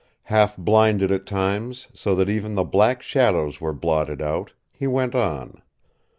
Half blinded at times, so that even the black shadows were blotted out, he went on.